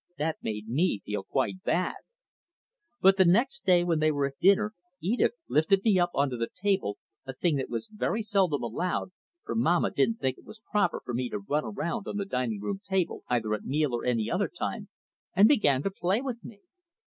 That made me feel quite bad. But the next day when they were at dinner Edith lifted me onto the table a thing that was very seldom allowed, for Mamma didn't think it was proper for me to run around on the dining table, either at meal or any other time and began to play with me.